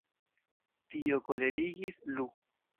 Tio kolerigis Lu.